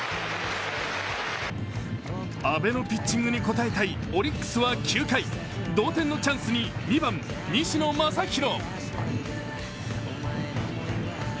阿部のピッチングに応えたいオリックスは９回同点のチャンスに２番・西野真弘。